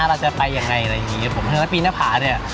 เราจะไปยังไงอะไรอย่างงี้ครับผมถ้าปีนหน้าผ่าเนี้ย